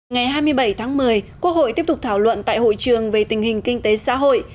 ngày hai mươi bảy tháng một mươi quốc hội tiếp tục thảo luận tại hội trường về tình hình kinh tế xã hội